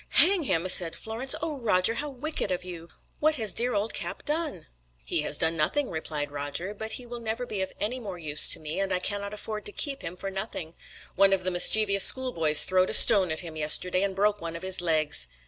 "Hang him!" said Florence. "Oh, Roger, how wicked of you! What has dear old Cap done?" "He has done nothing," replied Roger; "but he will never be of any more use to me, and I cannot afford to keep him for nothing; one of the mischievous school boys throwed a stone at him yesterday and broke one of his legs."